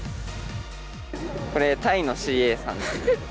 タイのＣＡさんです。